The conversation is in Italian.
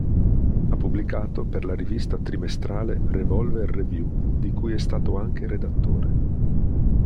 Ha pubblicato per la rivista trimestrale "Revolver Revue" di cui è stato anche redattore.